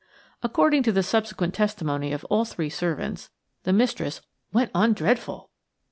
According to the subsequent testimony of all three servants, the mistress "went on dreadful."